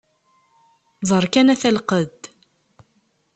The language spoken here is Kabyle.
Ẓer kan ata lqedd!